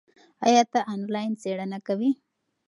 ایا ته آنلاین څېړنه کوې؟